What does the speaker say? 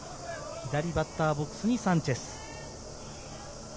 左バッターボックスにサンチェス。